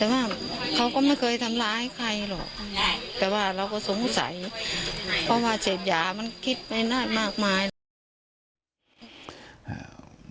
แต่ว่าเราก็สงสัยเพราะว่าเสพยามันคิดไปนานมากมาย